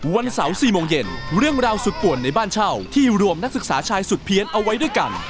วันเสาร์๔โมงเย็นเรื่องราวสุดป่วนในบ้านเช่าที่รวมนักศึกษาชายสุดเพี้ยนเอาไว้ด้วยกัน